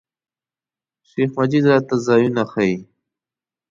شیخ مجید راته ځایونه ښیي.